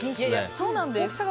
そうなんです。